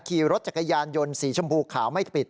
ขี่รถจักรยานยนต์สีชมพูขาวไม่ปิด